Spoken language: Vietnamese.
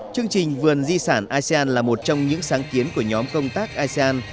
chương trình vườn di sản asean là một trong những sáng kiến của nhóm công tác asean